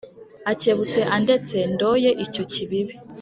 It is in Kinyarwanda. akebutse andetse ndoye icyo kibibi